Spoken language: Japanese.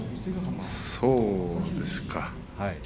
そうですか。